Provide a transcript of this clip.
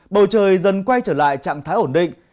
bầu trời dần quay trở lại trạng thái ổn định